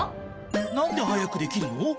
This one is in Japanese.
なんで早くできるの？